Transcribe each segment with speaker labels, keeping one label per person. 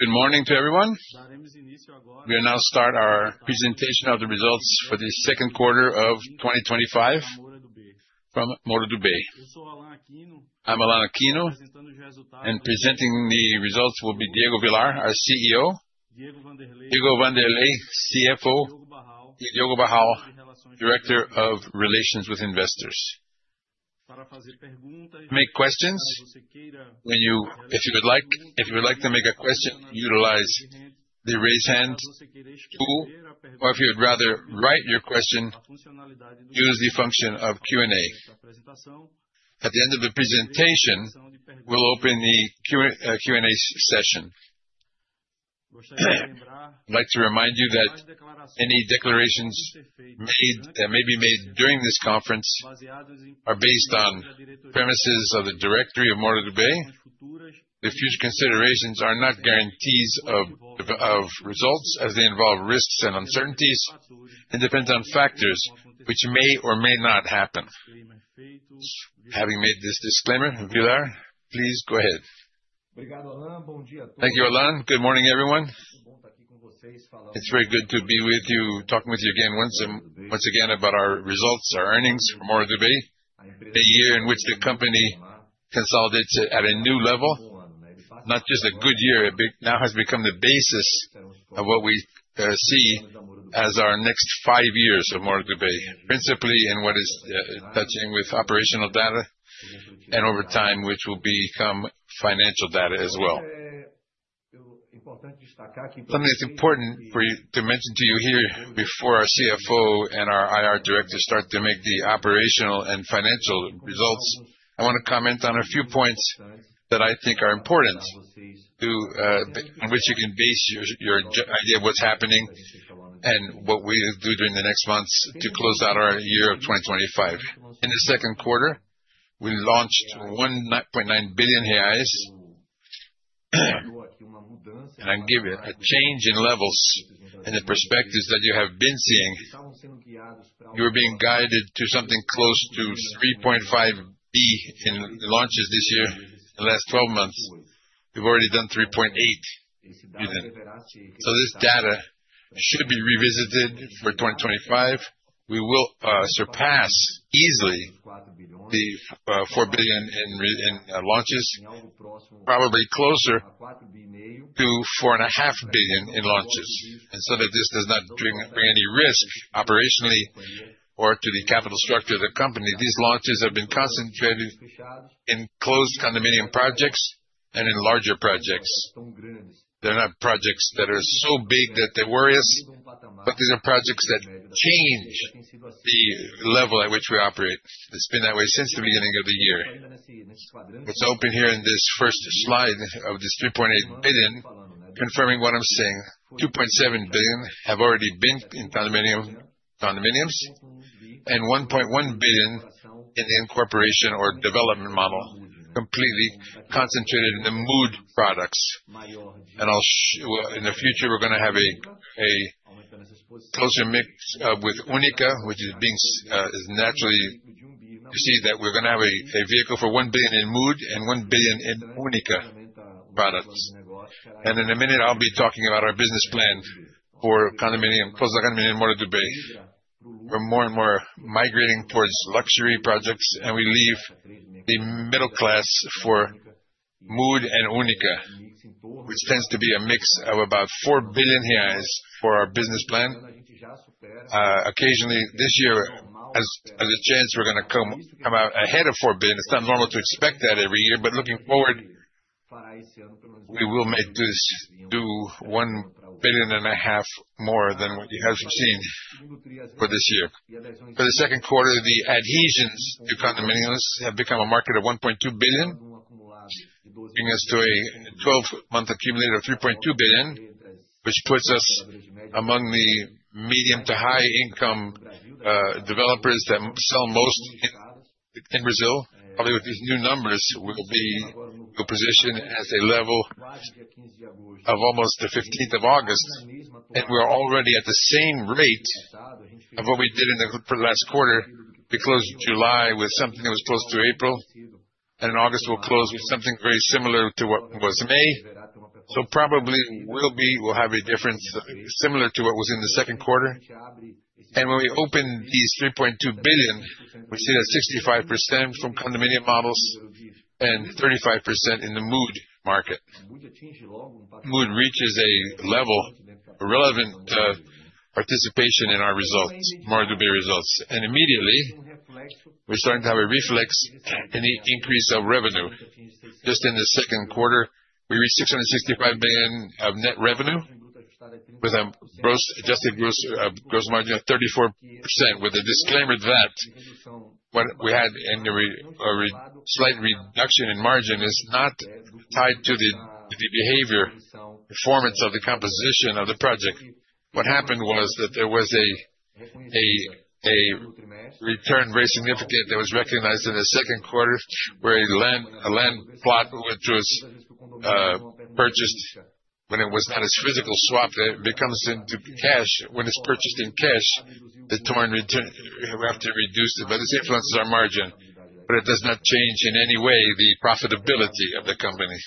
Speaker 1: Good morning to everyone. We are now start our presentation of the results for the second quarter of 2025 from Moura Dubeux. I'm Allan Aquino, and presenting the results will be Diego Villar, our CEO, Diego Wanderley, CFO, Diogo Barral, Director of Relations with Investors. If you would like to make a question, utilize the Raise Hand tool, or if you'd rather write your question, use the function of Q&A. At the end of the presentation, we'll open the Q&A session. I'd like to remind you that any declarations made may be made during this conference are based on premises of the directory of Moura Dubeux. The future considerations are not guarantees of results as they involve risks and uncertainties, and depends on factors which may or may not happen. Having made this disclaimer, Villar, please go ahead.
Speaker 2: Thank you, Alan. Good morning, everyone. It's very good to be with you, talking with you again once again about our results, our earnings for Moura Dubeux. A year in which the company consolidates at a new level, not just a good year, now has become the basis of what we see as our next five years of Moura Dubeux. Principally in what is touching with operational data and over time, which will become financial data as well. Something that's important for you to mention to you here before our CFO and our IR director start to make the operational and financial results. I wanna comment on a few points that I think are important to in which you can base your idea of what's happening and what we do during the next months to close out our year of 2025. In the second quarter, we launched 1.9 billion reais. Given the change in levels and the perspectives that you have been seeing. You are being guided to something close to 3.5 billion in launches this year. In the last twelve months, we've already done 3.8 billion. This data should be revisited for 2025. We will surpass easily the 4 billion in launches, probably closer to 4.5 billion in launches. that this does not bring any risk operationally or to the capital structure of the company, these launches have been concentrated in closed condominium projects and in larger projects. They're not projects that are so big that they're worrisome, but these are projects that change the level at which we operate. It's been that way since the beginning of the year. Let's open here in this first slide of this 3.8 billion, confirming what I'm saying. 2.7 billion have already been in condominiums, and 1.1 billion in the incorporation or development model, completely concentrated in the Mood products. I'll in the future, we're gonna have a closer mix with Única, which is naturally perceived that we're gonna have a vehicle for BRL 1 billion in Mood and 1 billion in Única products. In a minute, I'll be talking about our business plan for closed condominium Moura Dubeux. We're more and more migrating towards luxury projects, and we leave the middle class for Mood and Única, which tends to be a mix of about 4 billion reais for our business plan. Occasionally this year, by chance, we're gonna come out ahead of 4 billion. It's not normal to expect that every year, but looking forward, we will aim to do 1.5 billion more than what you have seen for this year. For the second quarter, the adhesions to condominiums have become a market of 1.2 billion, bringing us to a 12 month accumulator of 3.2 billion, which puts us among the medium- to high-income developers that sell most in Brazil. Probably with these new numbers, we'll be positioned at a level of almost the fifteenth of August, and we're already at the same rate of what we did for the last quarter. We closed July with something that was close to April, and in August we'll close with something very similar to what was May. Probably we'll have a difference similar to what was in the second quarter. When we open these 3.2 billion, we see that 65% from condominium models and 35% in the Mood market. Mood reaches a level relevant participation in our results, Moura Dubeux results. Immediately, we're starting to have a reflection in the increase of revenue. Just in the second quarter, we reached 665 billion of net revenue with an adjusted gross margin of 34%, with a disclaimer that what we had in a slight reduction in margin is not tied to the behavior performance of the composition of the project. What happened was that there was a very significant return that was recognized in the second quarter, where a land plot which was purchased when it was not as physical swap, it becomes into cash. When it's purchased in cash, the return we have to reduce it, but this influences our margin. It does not change in any way the profitability of the company.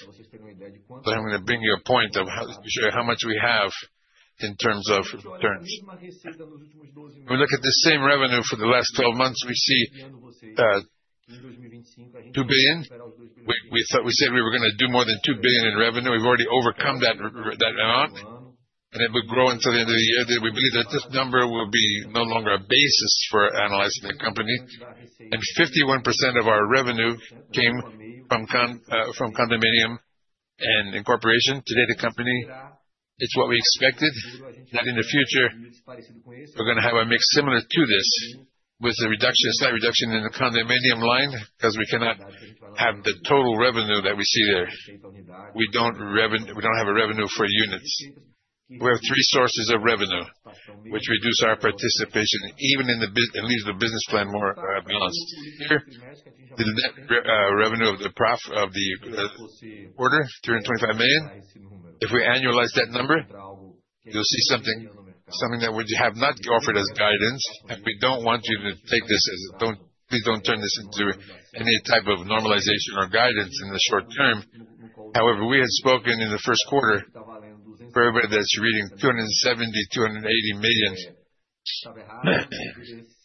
Speaker 2: I'm gonna bring you a point of how much we have in terms of returns. If we look at the same revenue for the last 12 months, we see 2 billion. We said we were gonna do more than 2 billion in revenue. We've already overcome that amount, and it will grow until the end of the year, that we believe that this number will be no longer a basis for analyzing the company. 51% of our revenue came from condominium and incorporation. Today, the company, it's what we expected, that in the future, we're gonna have a mix similar to this with a slight reduction in the condominium line, 'cause we cannot have the total revenue that we see there. We don't have a revenue for units. We have three sources of revenue which reduce our participation even in the business, it leaves the business plan more balanced. Here, the net revenue of the quarter, 325 million. If we annualize that number, you'll see something that we have not offered as guidance, and we don't want you to take this as guidance. Please don't turn this into any type of normalization or guidance in the short term. However, we had spoken in the first quarter, for everybody that's reading 270 to 280 million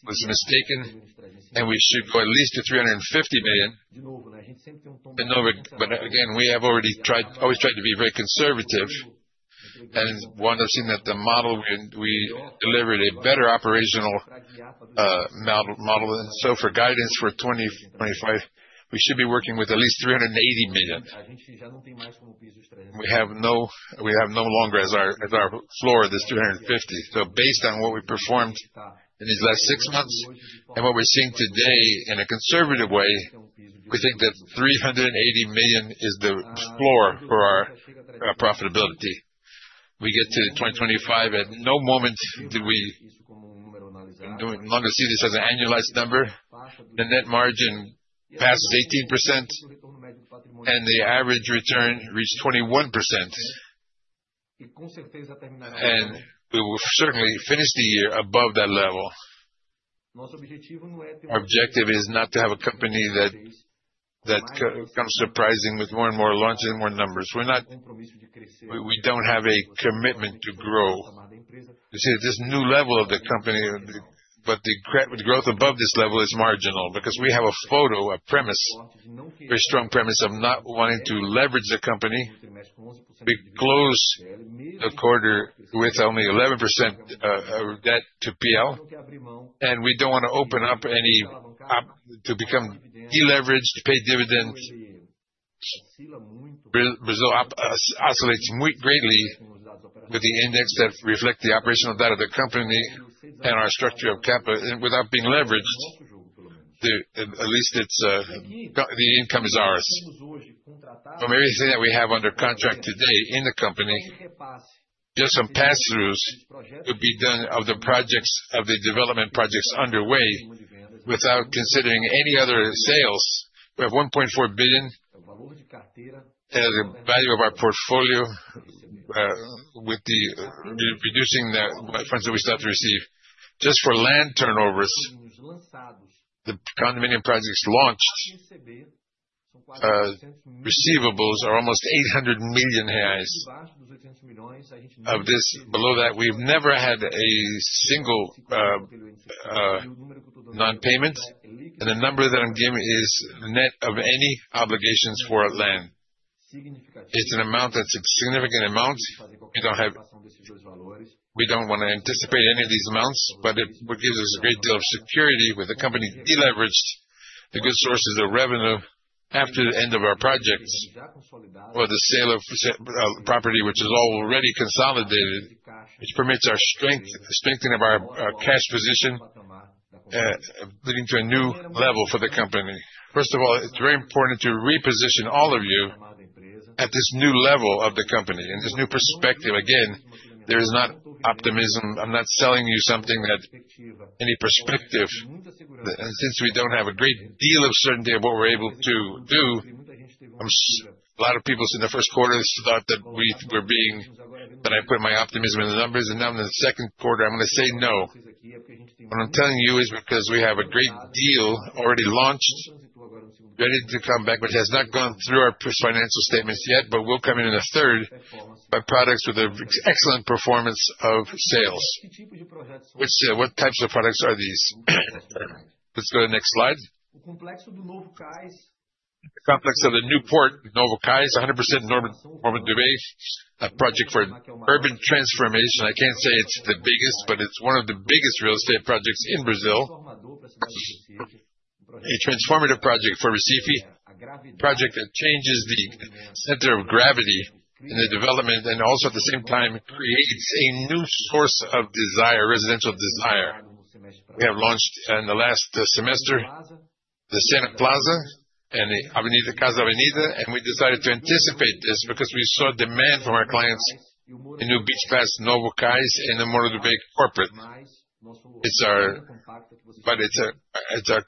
Speaker 2: was mistaken, and we shoot for at least 350 million. But again, we have always tried to be very conservative and want to have seen that the model when we delivered a better operational model. For guidance for 2025, we should be working with at least 380 million. We have no longer as our floor, this 350 million. Based on what we performed in these last six months and what we're seeing today in a conservative way, we think that 380 million is the floor for our profitability. We get to 2025, at no moment do we no longer see this as an annualized number. The net margin passes 18%, and the average return reached 21%. We will certainly finish the year above that level. Our objective is not to have a company that comes surprising with more and more launches and more numbers. We don't have a commitment to grow. You see this new level of the company, but the growth above this level is marginal because we have a firm premise, very strong premise of not wanting to leverage the company. We close a quarter with only 11% of debt to PL, and we don't wanna open up any opportunity to become overleveraged to pay dividends. Brazil oscillates greatly with the index that reflect the operational data of the company and our structure of capital. Without being leveraged, the income is ours. From everything that we have under contract today in the company, there's some pass-throughs to be done of the projects, of the development projects underway without considering any other sales. We have 1.4 billion, the value of our portfolio, with the remaining funds that we still have to receive. Just for land turnovers, the condominium projects launched, receivables are almost 800 million reais. Of this, below that, we've never had a single non-payment. The number that I'm giving is net of any obligations for our land. It's an amount that's a significant amount. We don't wanna anticipate any of these amounts, but what gives us a great deal of security with the company deleveraged, the good sources of revenue after the end of our projects or the sale of property which is already consolidated, which permits strengthening of our cash position, leading to a new level for the company. First of all, it's very important to reposition all of you at this new level of the company and this new perspective. Again, there is not optimism. I'm not selling you something that any perspective, since we don't have a great deal of certainty of what we're able to do. A lot of people said in the first quarter thought that I put my optimism in the numbers, and now in the second quarter, I'm gonna say no. What I'm telling you is because we have a great deal already launched, ready to come back, which has not gone through our first financial statements yet, but will come in in the third by products with an excellent performance of sales. What types of products are these? Let's go to the next slide. The complex of the Novo Cais, 100% Normandie, a project for urban transformation. I can't say it's the biggest, but it's one of the biggest real estate projects in Brazil. A transformative project for Recife, project that changes the center of gravity in the development, and also at the same time creates a new source of desire, residential desire. We have launched in the last semester the Cena Plaza and the Casa Avenida, and we decided to anticipate this because we saw demand from our clients in Novo Beach Pass, Novo Cais, and in the Moura Dubeux Corporate. It's our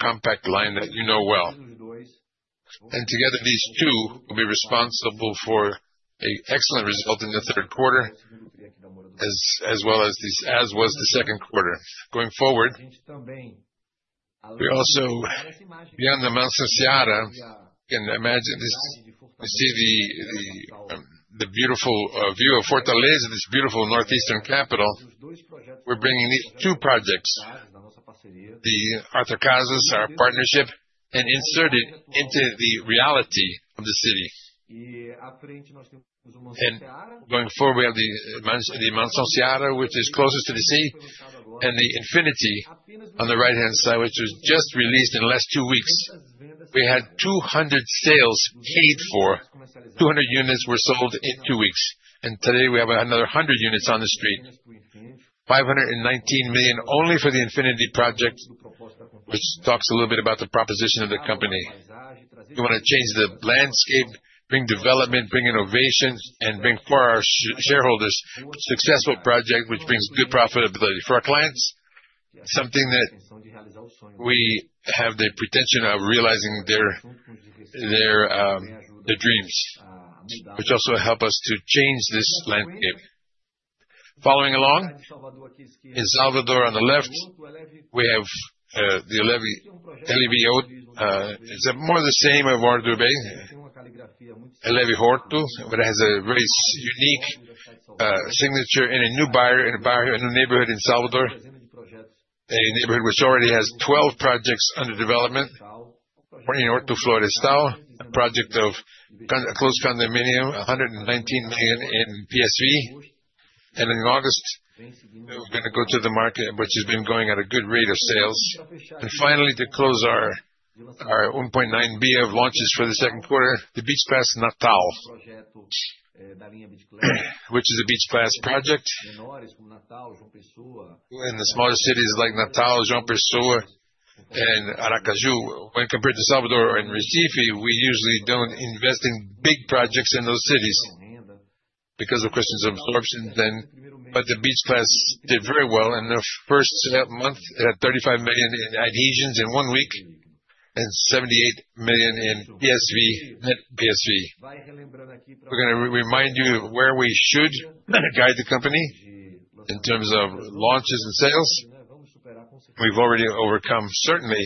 Speaker 2: compact line that you know well. Together, these two will be responsible for an excellent result in the third quarter, as well as this, as was the second quarter. Going forward, we also beyond the Mont Ceará, you can imagine this you see the beautiful view of Fortaleza, this beautiful northeastern capital. We're bringing these two projects, the Arthur Casas, our partnership, and insert it into the reality of the city. Going forward, we have the Mont Ceará, which is closest to the sea, and the Infinity on the right hand side, which was just released in the last two weeks. We had 200 sales paid for, 200 units were sold in two weeks. Today, we have another 100 units on the street, 519 million only for the Infinity project, which talks a little bit about the proposition of the company. We wanna change the landscape, bring development, bring innovation, and bring for our shareholders successful project which brings good profitability. For our clients, something that we have the intention of realizing their dreams, which also help us to change this landscape. Following along, in Salvador on the left, we have the Eleve Horto. It's more the same as Moura Dubeux, Eleve Horto, but it has a very unique signature in a new bairro in Salvador. A neighborhood which already has 12 projects under development. One in Horto Florestal, a closed condominium project, 119 million in PSV. In August, we were gonna go to the market, which has been going at a good rate of sales. Finally, to close our 1.9 B of launches for the second quarter, the Beach Class Natal, which is a Beach Class project. In the smaller cities like Natal, João Pessoa, and Aracaju, when compared to Salvador and Recife, we usually don't invest in big projects in those cities because of questions of absorption then. The Beach Class did very well. In the first month, it had 35 million in adhesions in one week and 78 million in PSV, net PSV. We're gonna remind you where we should guide the company in terms of launches and sales. We've already overcome certainly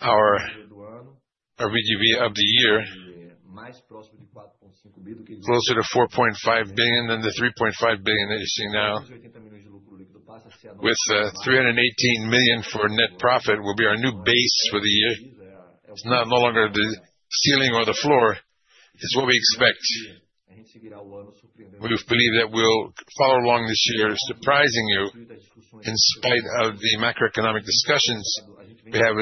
Speaker 2: our GDV of the year, closer to 4.5 billion than the 3.5 billion that you're seeing now. With 318 million for net profit will be our new base for the year. It's now no longer the ceiling or the floor, it's what we expect. We have believed that we'll follow along this year, surprising you, in spite of the macroeconomic discussions we have,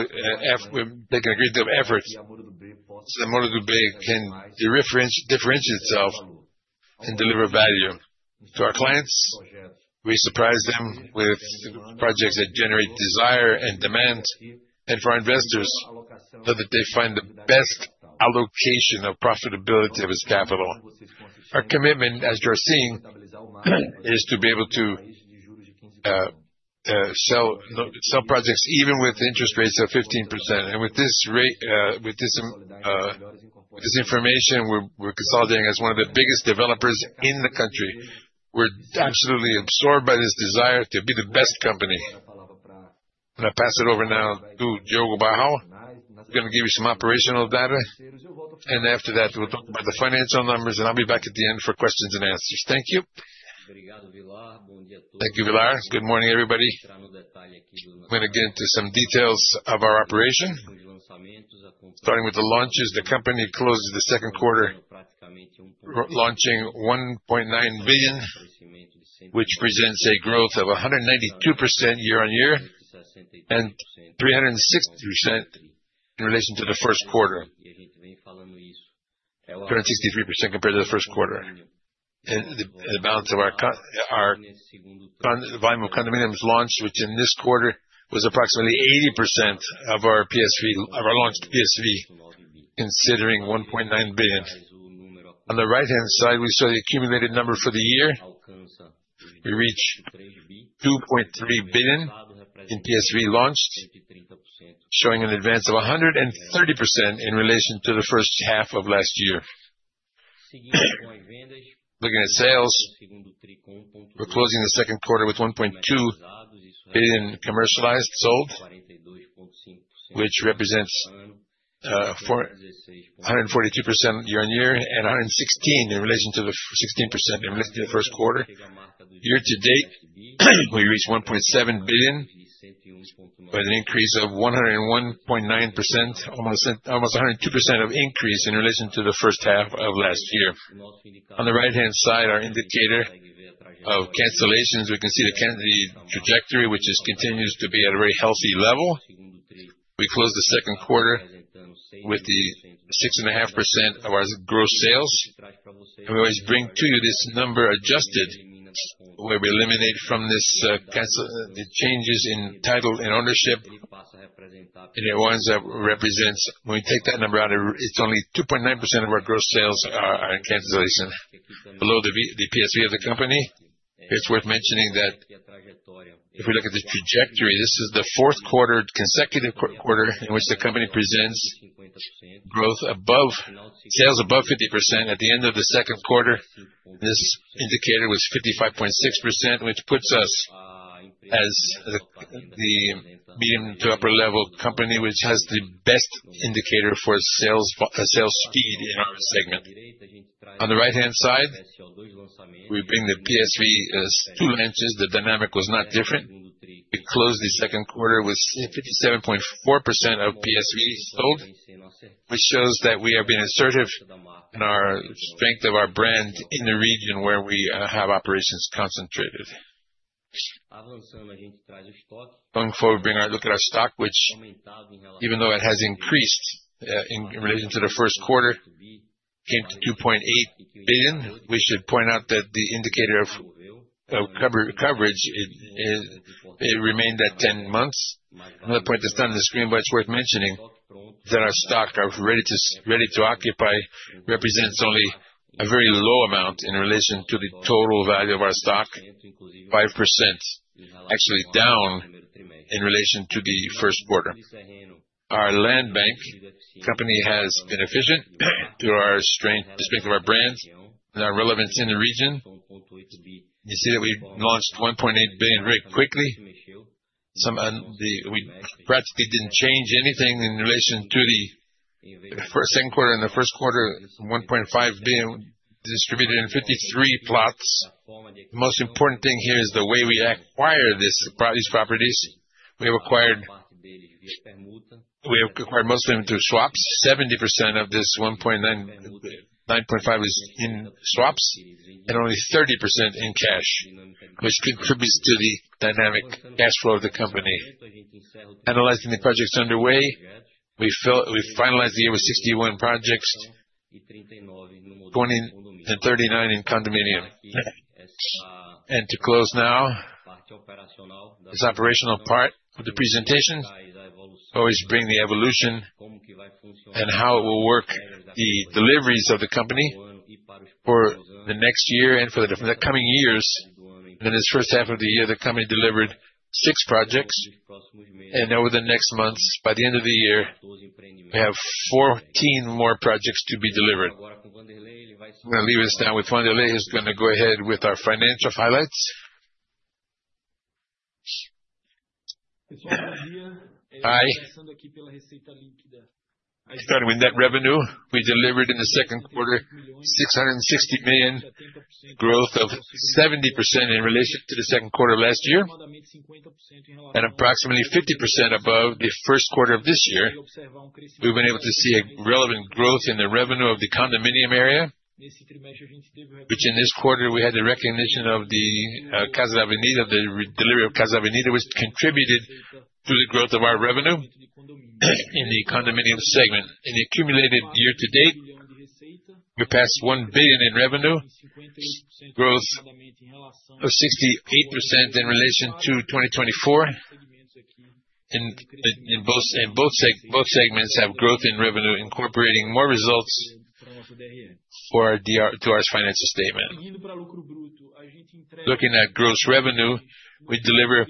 Speaker 2: we've taken a great deal of effort so that Moura Dubeux can differentiate itself and deliver value to our clients. We surprise them with projects that generate desire and demand. For our investors, so that they find the best allocation of profitability of its capital. Our commitment, as you are seeing, is to be able to sell projects even with interest rates of 15%. With this information, we're consolidating as one of the biggest developers in the country. We're absolutely absorbed by this desire to be the best company. I pass it over now to Diogo Barral, who's gonna give you some operational data. After that, we'll talk about the financial numbers, and I'll be back at the end for questions and answers. Thank you. Thank you, Villar. Good morning, everybody. I'm gonna get into some details of our operation.
Speaker 3: Starting with the launches, the company closes the second quarter relaunching 1.9 billion, which presents a growth of 192% year-on-year, and 360% in relation to the first quarter. 363% compared to the first quarter. The balance of our volume of condominiums launched, which in this quarter was approximately 80% of our launched PSV, considering 1.9 billion. On the right-hand side, we saw the accumulated number for the year. We reach 2.3 billion in PSV launched, showing an advance of 130% in relation to the first half of last year.
Speaker 2: Looking at sales, we're closing the second quarter with 1.2 billion commercialized sold, which represents 442% year-on-year and 116% in relation to the 16% we listed in the first quarter. Year to date, we reached 1.7 billion with an increase of 101.9%, almost 102% of increase in relation to the first half of last year. On the right-hand side, our indicator of cancellations, we can see the trajectory, which continues to be at a very healthy level. We closed the second quarter with the 6.5% of our gross sales. We always bring to you this number adjusted, where we eliminate from this the changes in title and ownership, and the ones that represents. When we take that number out, it's only 2.9% of our gross sales are in cancellation below the PSV of the company. It's worth mentioning that if we look at the trajectory, this is the fourth consecutive quarter in which the company presents sales above 50% at the end of the second quarter. This indicator was 55.6%, which puts us as the medium to upper-level company which has the best indicator for sales speed in our segment. On the right-hand side, we bring the PSV as two launches. The dynamic was not different. It closed the second quarter with 57.4% of PSVs sold, which shows that we have been assertive in our strength of our brand in the region where we have operations concentrated. Going forward, look at our stock, which even though it has increased in relation to the first quarter, came to 2.8 billion. We should point out that the indicator of coverage remained at ten months. Another point that's not on the screen, but it's worth mentioning, that our stock are ready to occupy represents only a very low amount in relation to the total value of our stock, 5%, actually down in relation to the first quarter. Our land bank company has been efficient through our strength, the strength of our brands and our relevance in the region. You see that we've launched 1.8 billion very quickly. We practically didn't change anything in relation to the second quarter and the first quarter, 1.5 billion distributed in 53 plots. The most important thing here is the way we acquire these properties. We acquired most of them through swaps. 70% of this 1.9 billion, 9.5 billion is in swaps and only 30% in cash, which contributes to the dynamic cash flow of the company. Analyzing the projects underway, we finalized the year with 61 projects, 20 and 39 in condominium. To close now, this operational part of the presentation always bring the evolution and how it will work, the deliveries of the company for the next year and for the coming years. In this first half of the year, the company delivered 6 projects, and over the next months, by the end of the year, we have 14 more projects to be delivered. I'm gonna leave us now with Wanderley, who's gonna go ahead with our financial highlights. Hi. Starting with net revenue, we delivered in the second quarter 660 million, growth of 70% in relation to the second quarter last year, and approximately 50% above the first quarter of this year. We've been able to see a relevant growth in the revenue of the condominium area, which in this quarter we had the recognition of the Casa Avenida. Delivery of Casa Avenida, which contributed to the growth of our revenue in the condominium segment.
Speaker 4: In the accumulated year to date, we passed 1 billion in revenue, strong growth of 68% in relation to 2024. Both segments have growth in revenue, incorporating more results for our DRE to our financial statement. Looking at gross revenue, we deliver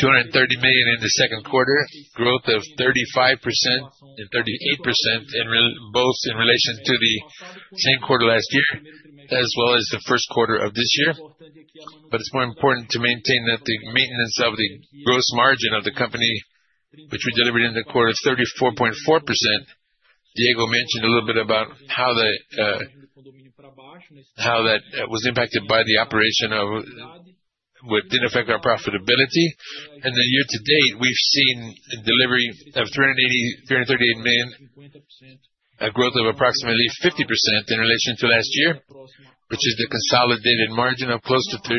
Speaker 4: 230 million in the second quarter, growth of 35% and 38% both in relation to the same quarter last year, as well as the first quarter of this year. It's more important to maintain that the maintenance of the gross margin of the company, which we delivered in the quarter of 34.4%. Diego mentioned a little bit about how that was impacted by the operation of what didn't affect our profitability.
Speaker 2: Year to date, we've seen a delivery of 338 million, a growth of approximately 50% in relation to last year, which is the consolidated margin of close to 38%.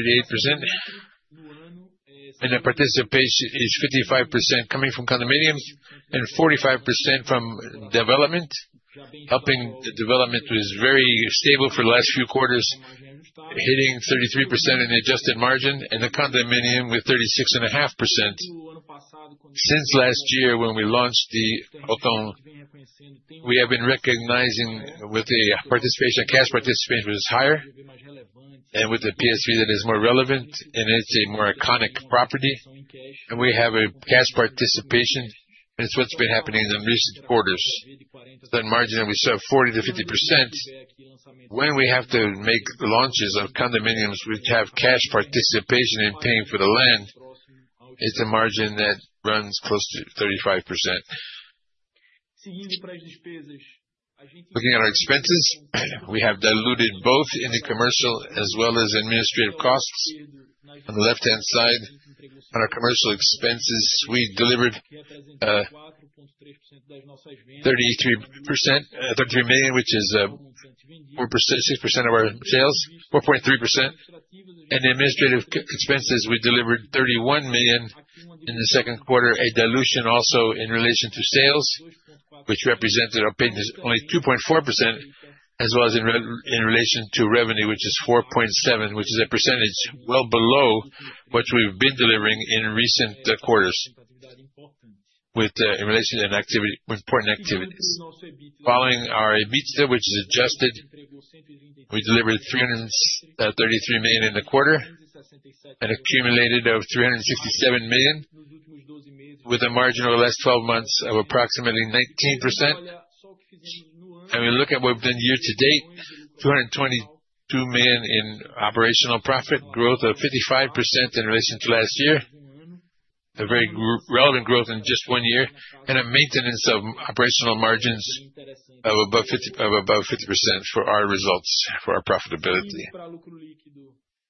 Speaker 2: The participation is 55% coming from condominiums and 45% from development. The development was very stable for the last few quarters, hitting 33% in the adjusted margin and the condominium with 36.5%. Since last year when we launched the Ocon, we have been recognizing with the participation, cash participation was higher and with the PSV that is more relevant and it's a more iconic property, and we have a cash participation. It's what's been happening in the recent quarters. It's that margin that we saw 40% to 50%. When we have to make launches of condominiums which have cash participation in paying for the land, it's a margin that runs close to 35%. Looking at our expenses, we have diluted both in the commercial as well as administrative costs. On the left-hand side, on our commercial expenses, we delivered 33%, 33 million, which is 4% to 6% of our sales, 4.3%. The administrative expenses, we delivered 31 million in the second quarter, a dilution also in relation to sales, which represented, I think, this only 2.4%, as well as in relation to revenue, which is 4.7%, which is a percentage well below what we've been delivering in recent quarters with important activities. Following our EBITDA, which is adjusted, we delivered 333 million in the quarter and accumulated 367 million. With a margin over the last twelve months of approximately 19%. We look at what we've done year to date, 222 million in operational profit growth of 55% in relation to last year. A very relevant growth in just one year, and a maintenance of operational margins above 50% for our results, for our profitability.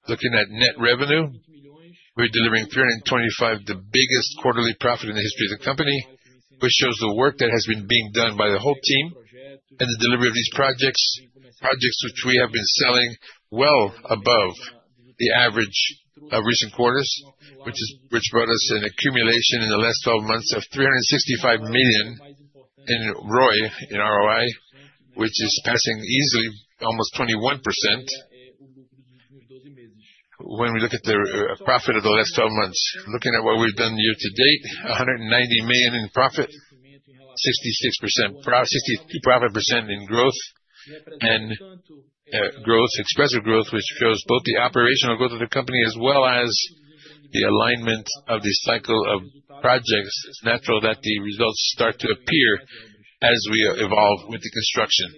Speaker 2: Looking at net revenue, we're delivering 325 million, the biggest quarterly profit in the history of the company, which shows the work that has been being done by the whole team and the delivery of these projects. Projects which we have been selling well above the average of recent quarters, which brought us an accumulation in the last twelve months of 365 million in ROI, which is passing easily almost 21% when we look at the profit of the last twelve months. Looking at what we've done year to date, 190 million in profit, 66% profit growth and expressive growth, which shows both the operational growth of the company as well as the alignment of the cycle of projects. It's natural that the results start to appear as we evolve with the construction.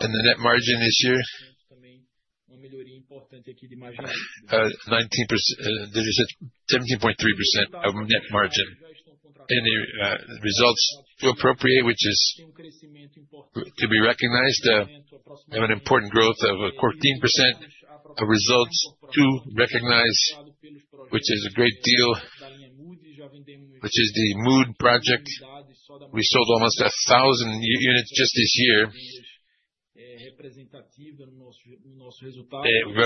Speaker 2: The net margin this year 19%, there is a 17.3% net margin. The results feel appropriate, which is to be recognized, have an important growth of a 14% of results to recognize, which is a great deal, which is the Mood project. We sold almost 1,000 units just this year.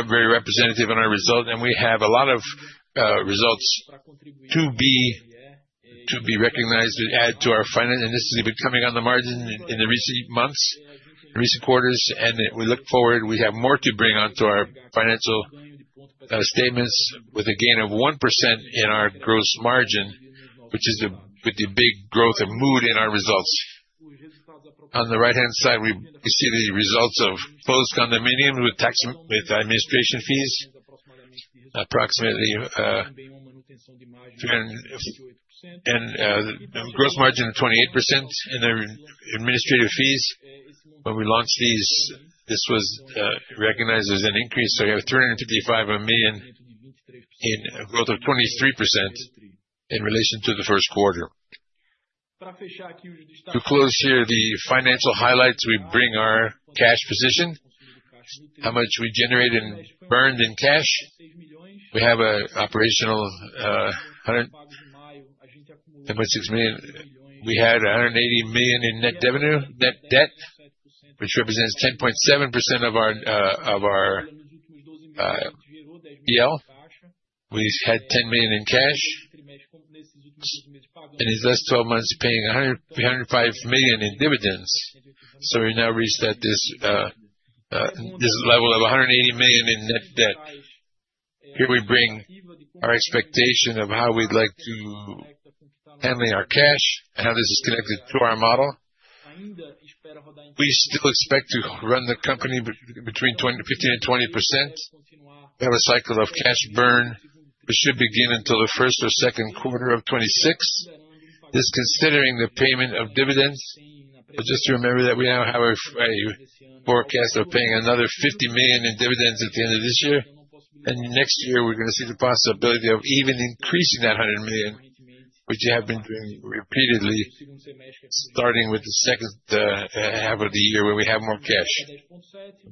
Speaker 2: Very representative in our result, and we have a lot of results to be recognized and add to our finance. This is even coming on the margin in the recent months, in recent quarters. We look forward, we have more to bring onto our financial statements with a gain of 1% in our gross margin, which is with the big growth of Mood in our results. On the right-hand side, we see the results of closed condominium with administration fees, approximately, BRL 350. Gross margin of 28% in their administrative fees. When we launched these, this was recognized as an increase. We have 355 million in growth of 23% in relation to the first quarter. To close here the financial highlights, we bring our cash position, how much we generate and burned in cash. We have an operational 100.6 million. We had 180 million in net revenue, net debt, which represents 10.7% of our P&L. We've had 10 million in cash. In these last twelve months, paying 105 million in dividends. We now reset this level of 180 million in net debt. Here we bring our expectation of how we'd like to handle our cash and how this is connected to our model. We still expect to run the company between 15% to 20%. We have a cycle of cash burn, which should begin in the first or second quarter of 2026. This considering the payment of dividends. Just to remember that we now have a forecast of paying another 50 million in dividends at the end of this year. Next year, we're gonna see the possibility of even increasing that 100 million, which you have been doing repeatedly, starting with the second half of the year where we have more cash,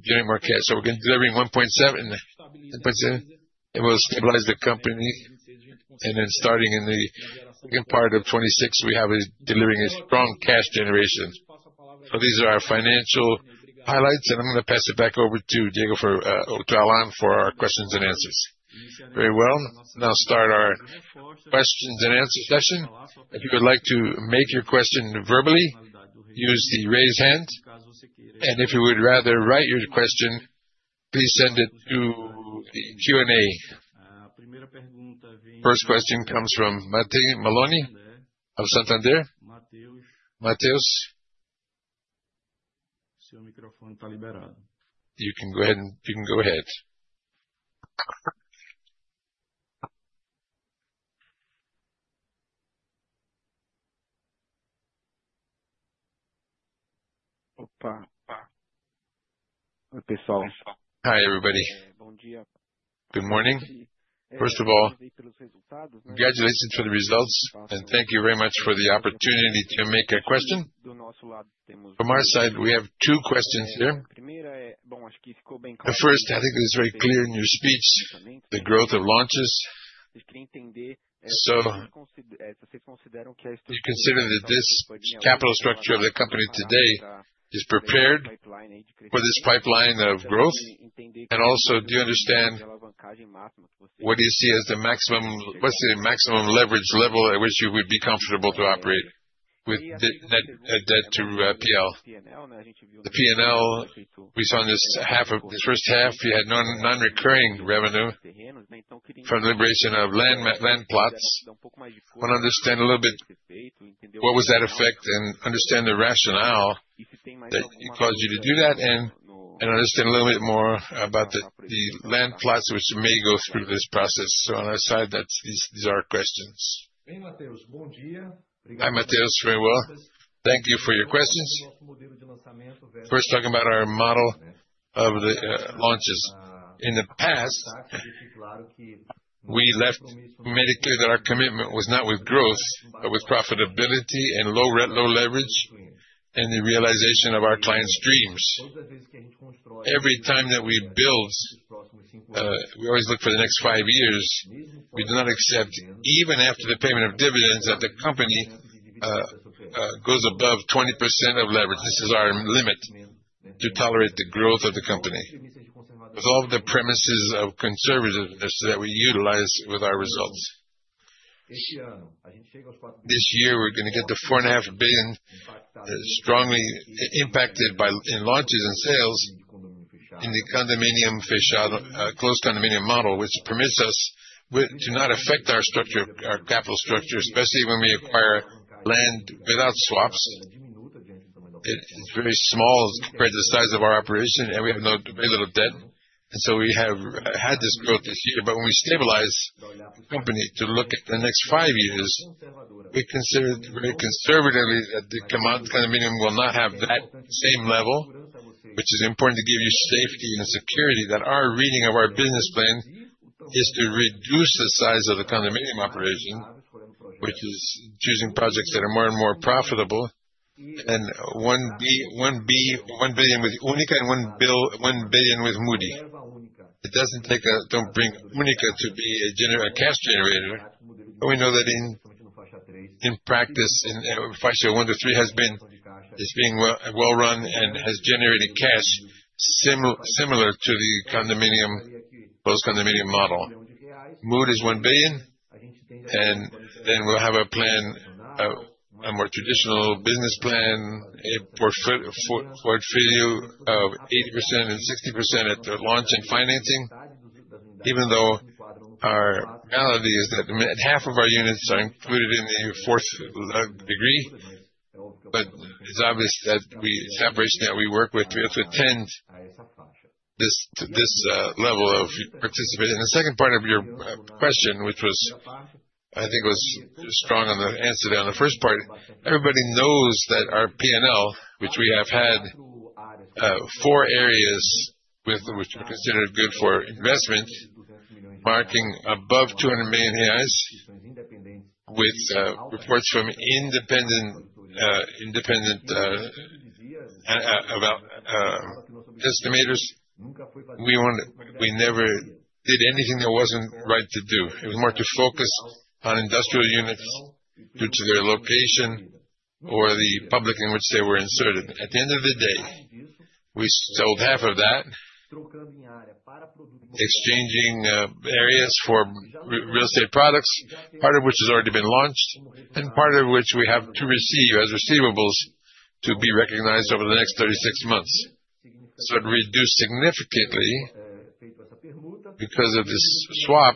Speaker 2: generating more cash. We're gonna be delivering 1.7, and we'll stabilize the company. Starting in the second part of 2026, we have delivering a strong cash generation. These are our financial highlights, and I'm gonna pass it back over to Diego for, or to Allan for our questions and answers. Very well. Now start our questions and answer session. If you would like to make your question verbally, use the raise hand. If you would rather write your question, please send it to the Q&A. First question comes from Matheus Meloni of Santander. Mateus. You can go ahead.
Speaker 5: Hi, everybody. Good morning. First of all, congratulations for the results, and thank you very much for the opportunity to make a question. From our side, we have two questions here. The first, I think it is very clear in your speech, the growth of launches. Do you consider that this capital structure of the company today is prepared for this pipeline of growth? Also, do you understand what do you see as the maximum leverage level at which you would be comfortable to operate with the net debt to P&L? The P&L, we saw in the first half, you had non-recurring revenue from the liberation of land plots. I wanna understand a little bit what was that effect and understand the rationale that it caused you to do that. Understand a little bit more about the land plots which may go through this process. On our side, these are our questions. Hi Mateus, very well. Thank you for your questions. First, talking about our model of the launches.
Speaker 2: In the past, we've always made clear that our commitment was not with growth, but with profitability and low leverage, and the realization of our clients' dreams. Every time that we build, we always look for the next five years. We do not accept, even after the payment of dividends, that the company goes above 20% of leverage. This is our limit to tolerate the growth of the company. With all of the premises of conservatism that we utilize with our results. This year, we're gonna get to 4.5 billion, strongly impacted by launches and sales in the condomínio fechado, closed condominium model, which permits us to not affect our structure, our capital structure, especially when we acquire land without swaps. It's very small compared to the size of our operation, and we have very little debt. We have had this growth this year. When we stabilize the company to look at the next 5 years, we consider very conservatively that the condominium will not have that same level, which is important to give you safety and security that our reading of our business plan is to reduce the size of the condominium operation, which is choosing projects that are more and more profitable. 1 billion with Única and 1 billion with Mood. Don't bring Única to be a cash generator. We know that in practice, in phases 1 to 3 has been, is being well run and has generated cash similar to the condominium, post condominium model. Mood is 1 billion, and then we'll have a plan, a more traditional business plan, a portfolio of 80% and 60% at the launch and financing. Even though our reality is that half of our units are included in the fourth degree. It's obvious that we, it's operation that we work with to attend this level of participation. The second part of your question, which was, I think, was strong on the answer there on the first part. Everybody knows that our P&L, which we have had four areas with which were considered good for investment, marking above 200 million reais with reports from independent estimators. We never did anything that wasn't right to do. It was more to focus on industrial units due to their location or the public in which they were inserted. At the end of the day, we sold half of that, exchanging areas for real estate products, part of which has already been launched, and part of which we have to receive as receivables to be recognized over the next 36 months. It reduced significantly because of this swap,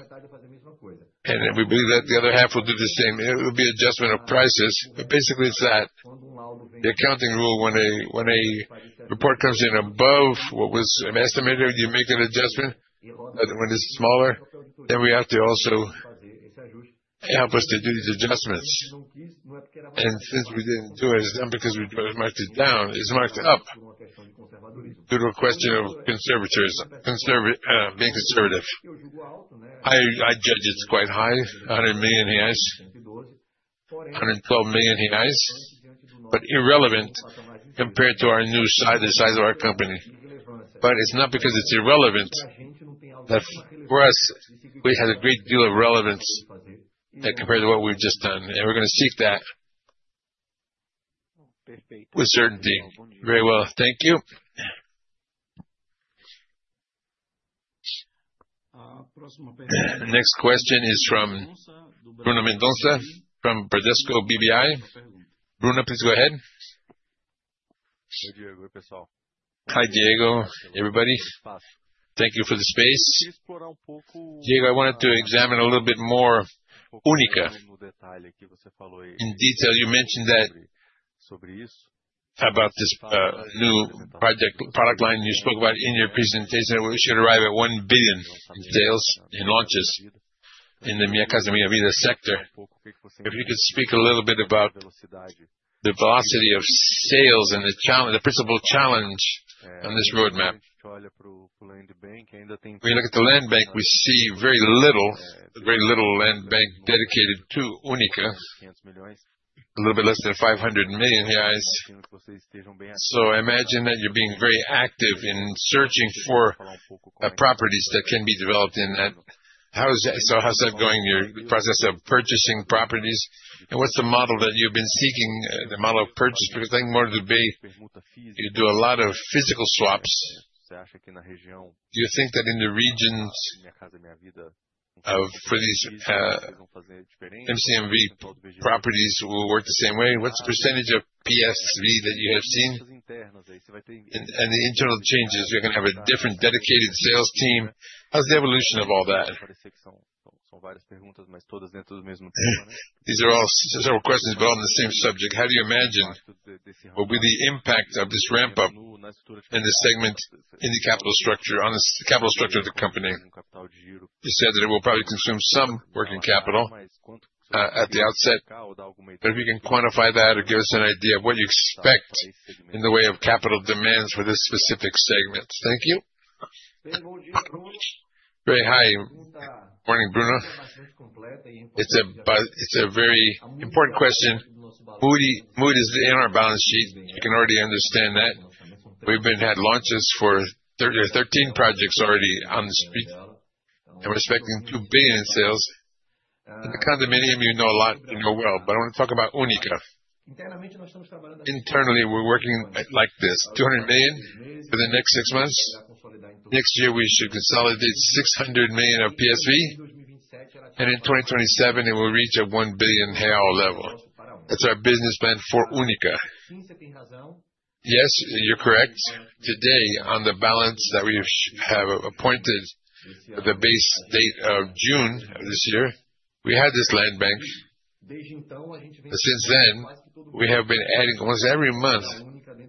Speaker 2: and we believe that the other half will do the same. It will be adjustment of prices, but basically it's that. The accounting rule, when a report comes in above what was estimated, you make that adjustment. When it's smaller, then we have to also help us to do these adjustments. Since we didn't do it's not because we marked it down, it's marked up due to a question of conservatism. Being conservative. I judge it's quite high, 100 million reais, 112 million reais, but irrelevant compared to the size of our company. It's not because it's irrelevant that for us, we had a great deal of relevance compared to what we've just done, and we're gonna seek that with certainty. Very well. Thank you. The next question is from Bruno Mendonça from Bradesco BBI. Bruno, please go ahead.
Speaker 6: Hi, Diego, everybody. Thank you for the space. Diego, I wanted to examine a little bit more Única. In detail, you mentioned that about this new project, product line you spoke about in your presentation, where we should arrive at 1 billion in sales, in launches in the Minha Casa, Minha Vida sector. If you could speak a little bit about the velocity of sales and the challenge, the principal challenge on this roadmap. When you look at the Land Bank, we see very little Land Bank dedicated to Única, a little bit less than 500 million reais. I imagine that you're being very active in searching for properties that can be developed in that. How's that going, your process of purchasing properties? What's the model that you've been seeking, the model of purchase? Because I think Moura Dubeux do a lot of physical swaps. Do you think that in the regions for these MCMV properties will work the same way? What's the percentage of PSV that you have seen? And the internal changes, you're gonna have a different dedicated sales team. How's the evolution of all that? These are all several questions, but all on the same subject. How do you imagine will be the impact of this ramp up in this segment, in the capital structure, on the capital structure of the company? You said that it will probably consume some working capital at the outset, but if you can quantify that or give us an idea of what you expect in the way of capital demands for this specific segment. Thank you.
Speaker 2: Very high. Morning, Bruno. It's a very important question. Mood is in our balance sheet. You can already understand that. We've had launches for 13 projects already on the street and representing 2 billion sales. The condominium, you know a lot, you know well, but I want to talk about Única. Internally, we're working like this, 200 million for the next six months. Next year, we should consolidate 600 million of PSV, and in 2027, it will reach a 1 billion real level. That's our business plan for Única. Yes, you're correct. Today, on the balance sheet as of the base date of June this year, we had this land bank. Since then, we have been adding almost every month,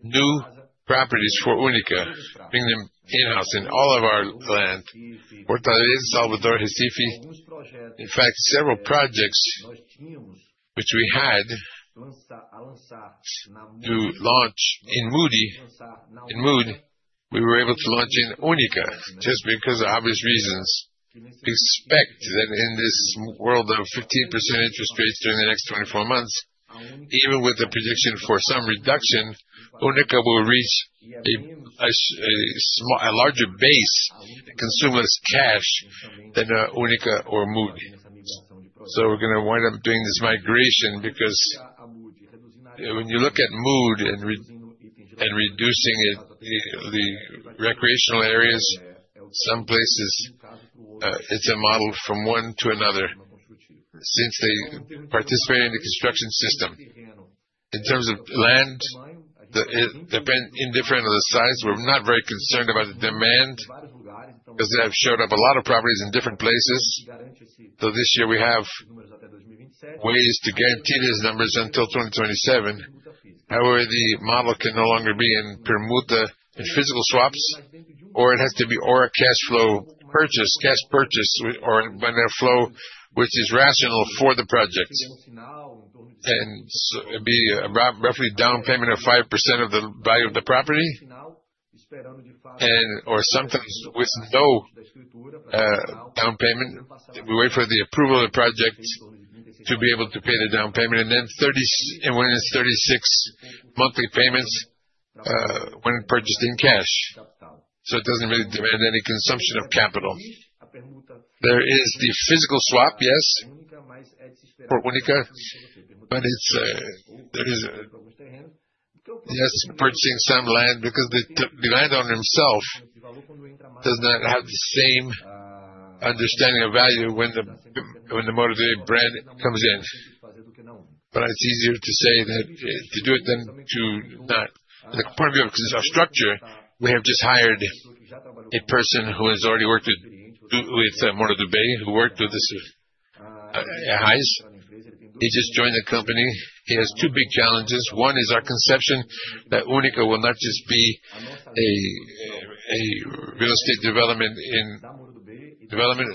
Speaker 2: new properties for Única, bringing them in-house in all of our land. Our portfolio is Salvador, Recife. In fact, several projects which we had to launch in Mood, we were able to launch in Única just because of obvious reasons. We expect that in this world of 15% interest rates during the next 24 months, even with the prediction for some reduction, Única will reach a larger base, consumers cash than Única or Mood. We're gonna wind up doing this migration because when you look at Mood and reducing it, the recreational areas, some places, it's a model from one to another since they participate in the construction system. In terms of land, it is independent of the size, we're not very concerned about the demand because they have shown up a lot of properties in different places. This year we have ways to guarantee these numbers until 2027. However, the model can no longer be in permuta, in physical swaps, or it has to be a cash flow purchase, cash purchase or a cash flow which is rationale for the projects. It'd be roughly a down payment of 5% of the value of the property and/or sometimes with no down payment. We wait for the approval of the project to be able to pay the down payment, and then 36 monthly payments when purchased in cash. It doesn't really demand any consumption of capital. There is the physical swap, yes, for Única, but there is yes, purchasing some land because the land on its own does not have the same understanding of value when the Moura Dubeux brand comes in. It's easier to say than to do it. The point of view, because of structure, we have just hired a person who has already worked with Moura Dubeux, who worked with these guys. He just joined the company. He has two big challenges. One is our conception that Única will not just be a real estate development. Development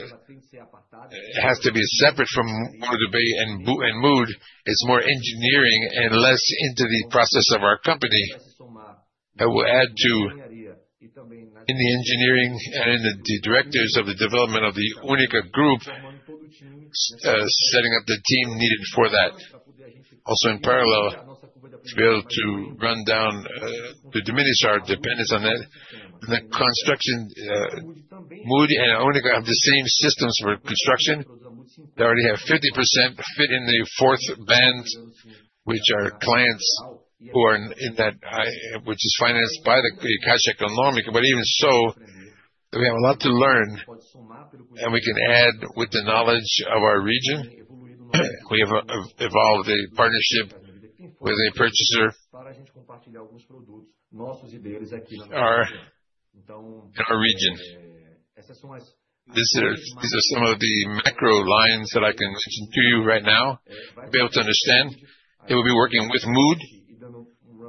Speaker 2: has to be separate from Moura Dubeux and Mood. It's more engineering and less into the process of our company. I will add to in the engineering and in the directors of the development of the Única group, setting up the team needed for that. Also in parallel, to be able to run down, to diminish our dependence on that. The construction, Mood and Única have the same systems for construction. They already have 50% fit in the fourth band, which are clients who are in that, which is financed by the Caixa Econômica Federal. Even so, we have a lot to learn, and we can add with the knowledge of our region. We have evolved a partnership with a purchaser. Our region. These are some of the macro lines that I can mention to you right now to be able to understand. They will be working with Mood.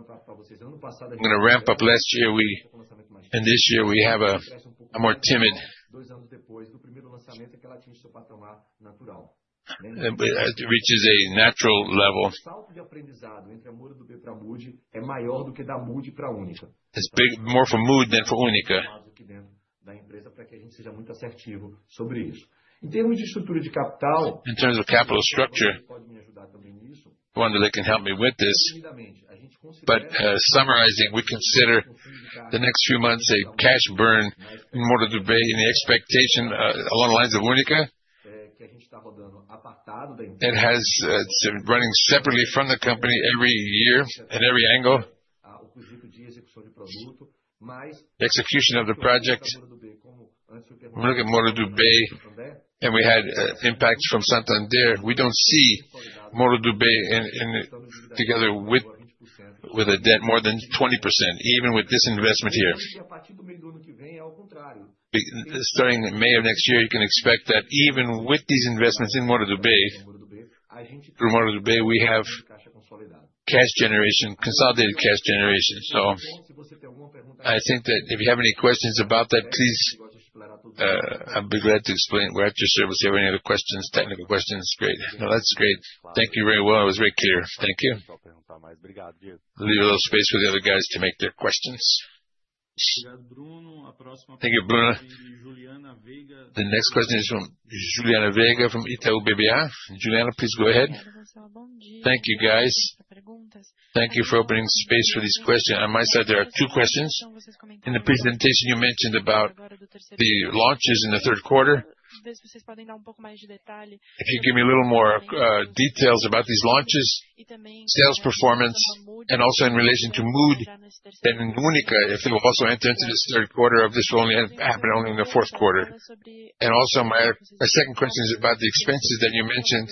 Speaker 2: I'm gonna ramp up. Last year, we. This year, we have a more timid. It reaches a natural level. It's big, more for Mood than for Única. In terms of capital structure, Wanderley can help me with this, but summarizing, we consider the next few months a cash burn in Moura Dubeux in the expectation, along the lines of Única. It has, it's running separately from the company every year at every angle. Execution of the project. We look at Moura Dubeux, and we had impact from Santander. We don't see Moura Dubeux in together with a debt more than 20%, even with this investment here. Starting May of next year, you can expect that even with these investments in Moura Dubeux. From Moura Dubeux, we have cash generation, consolidated cash generation. I think that if you have any questions about that, please, I'll be glad to explain. We're at your service. You have any other questions, technical questions? Great. No, that's great. Thank you very well. It was very clear. Thank you. Leave a little space for the other guys to make their questions. Thank you, Bruno. The next question is from Juliana Veiga from Itaú BBA. Juliana, please go ahead.
Speaker 7: Thank you, guys. Thank you for opening space for this question. On my side, there are two questions. In the presentation you mentioned about the launches in the third quarter. If you give me a little more details about these launches, sales performance, and also in relation to Mood and Única, if it will also enter into this third quarter or if this will only happen in the fourth quarter. Also my second question is about the expenses that you mentioned.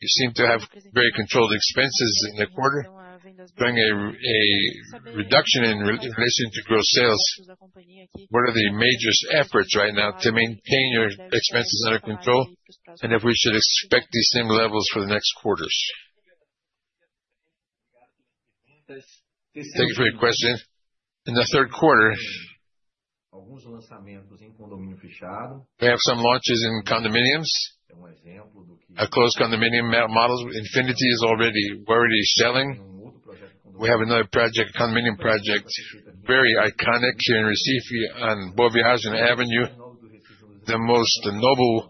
Speaker 7: You seem to have very controlled expenses in the quarter, doing a reduction in relation to gross sales. What are the major efforts right now to maintain your expenses under control, and if we should expect these same levels for the next
Speaker 2: quarters? Thank you for your question. In the third quarter, we have some launches in condominiums. Our closed condominium models, Infinity, we're already selling. We have another project, condominium project, very iconic here in Recife on Boa Viagem Avenue. The most noble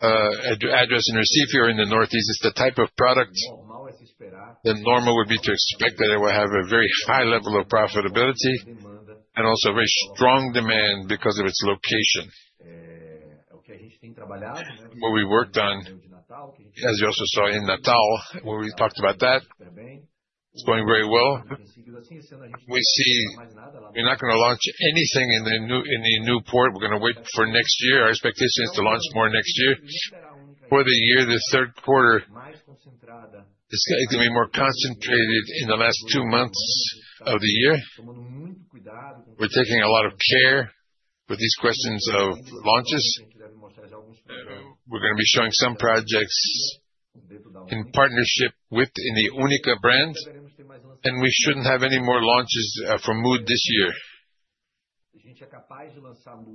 Speaker 2: address in Recife or in the Northeast. It's the type of product that normally would be to expect that it will have a very high level of profitability and also very strong demand because of its location. What we worked on, as you also saw in Natal, where we talked about that, it's going very well. We're not gonna launch anything in the new, in the Novo Cais. We're gonna wait for next year. Our expectation is to launch more next year. For the year, the third quarter is gonna be more concentrated in the last two months of the year. We're taking a lot of care with these questions of launches. We're gonna be showing some projects within the Única brands, and we shouldn't have any more launches for Mood this year.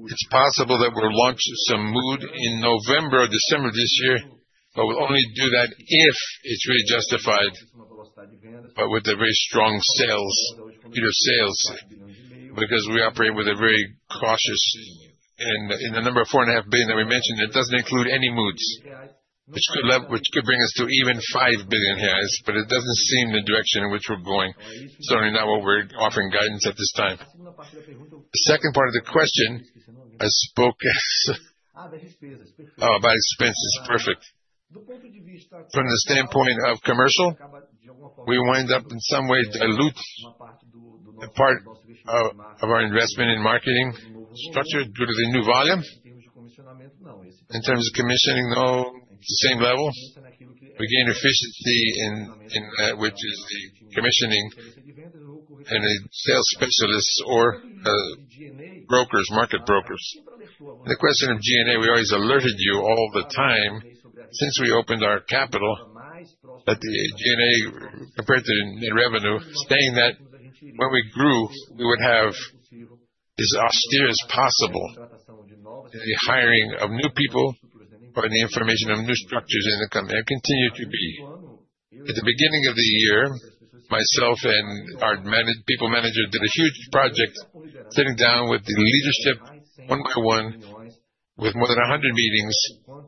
Speaker 2: It's possible that we'll launch some Mood in November or December this year, but we'll only do that if it's really justified, but with the very strong sales, unit sales, because we operate with a very cautious approach. In the number of 4.5 billion that we mentioned, it doesn't include any Moods. Which could bring us to even 5 billion reais, but it doesn't seem the direction in which we're going. It's only not what we're offering guidance at this time. The second part of the question I spoke about expenses. Perfect. From the standpoint of commercial, we wind up in some way dilute a part of our investment in marketing structure due to the new volume. In terms of commissioning, no, it's the same level. We gain efficiency in which is the commissioning and the sales specialists or brokers, market brokers. The question of G&A, we always alerted you all the time since we opened our capital at the G&A compared to net revenue, stating that when we grew, we would have as austere as possible the hiring of new people or the information of new structures in the company, and continue to be. At the beginning of the year, myself and our people manager did a huge project sitting down with the leadership one by one with more than 100 meetings,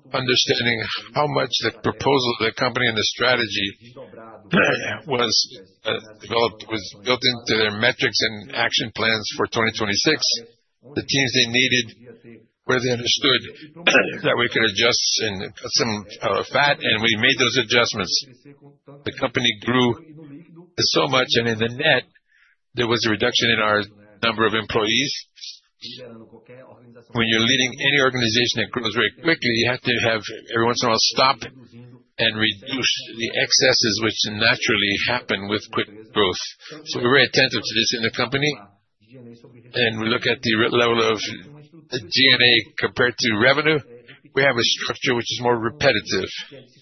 Speaker 2: understanding how much the proposal of the company and the strategy was built into their metrics and action plans for 2026. The teams they needed, where they understood that we could adjust and cut some fat, and we made those adjustments. The company grew so much, and in the end, there was a reduction in our number of employees. When you're leading any organization that grows very quickly, you have to have every once in a while stop and reduce the excesses which naturally happen with quick growth. We're very attentive to this in the company, and we look at the revenue level of the G&A compared to revenue. We have a structure which is more repetitive.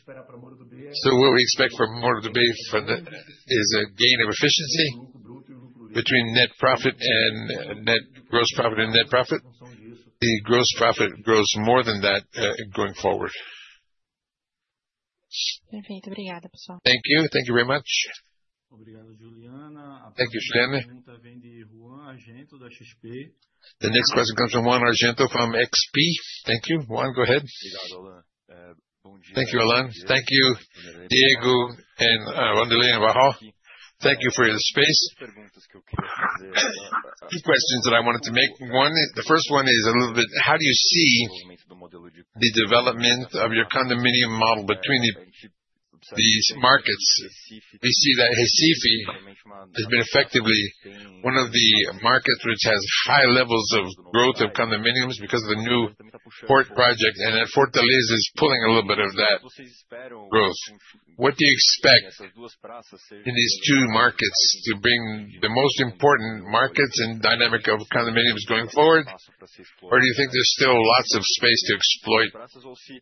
Speaker 2: What we expect from Moura Dubeux is a gain of efficiency between gross profit and net profit. The gross profit grows more than that, going forward.
Speaker 7: Thank you.
Speaker 2: Thank you very much. Thank you, Stanley.
Speaker 1: The next question comes from Ygor Altero from XP. Thank you. Ygor, go ahead.
Speaker 8: Thank you, Allan. Thank you, Diego and Wanderley e Barral. Thank you for your space. Two questions that I wanted to make. The first one is a little bit how do you see the development of your condominium model between these markets. We see that Recife has been effectively one of the markets which has high levels of growth of condominiums because of the Novo Cais project, and Fortaleza is pulling a little bit of that growth. What do you expect in these two markets to bring the most important markets and dynamic of condominiums going forward? Or do you think there's still lots of space to exploit